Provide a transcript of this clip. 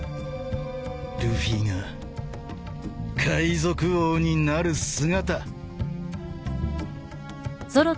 ルフィが海賊王になる姿。